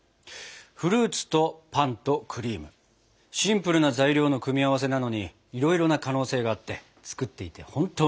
フルーツとパンとクリームシンプルな材料の組み合わせなのにいろいろな可能性があって作っていて本当に楽しかったです。